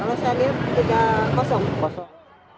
kalau saya lihat tidak kosong